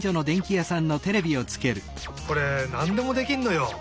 これなんでもできるのよ。